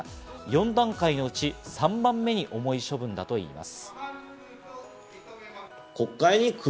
４段階のうち３番目に重い処分だといいます。